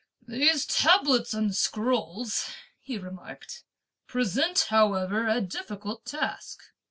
"These tablets and scrolls," he remarked, "present however a difficult task.